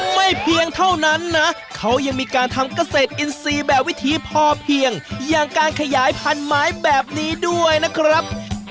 เพียงเท่านั้นนะเขายังมีการทำเกษตรอินทรีย์แบบวิธีพอเพียงอย่างการขยายพันธุ์ไม้แบบนี้ด้วยนะครับ